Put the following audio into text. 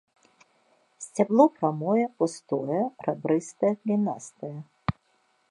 Сцябло прамое, пустое, рабрыстае, галінастае.